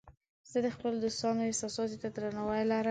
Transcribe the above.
زه د خپلو دوستانو احساساتو ته درناوی لرم.